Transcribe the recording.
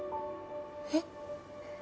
えっ？